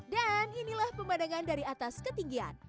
dan inilah pemandangan dari atas ketinggian